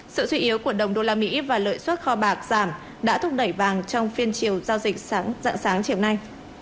sự suy yếu của đồng usd và lợi suất kho bạc giảm đã thúc đẩy vàng trong phiên chiều giao dịch dạng sáng chiều nay